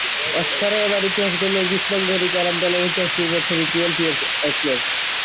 অস্কারে এবার ইতিহাস গড়ল কৃষ্ণাঙ্গ অধিকার আন্দোলনের ইতিহাসনির্ভর ছবি টুয়েলভ ইয়ারস অ্যা স্লেভ।